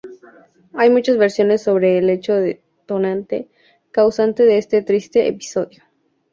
Hay muchas versiones sobre el hecho detonante, causante de este triste episodio.